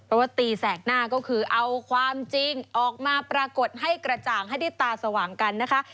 เพราะว่าตีแสกหน้าก็คือเอาความจริงออกมาปรากฏให้กระจ่างให้ได้ตาสว่างกันนะคะ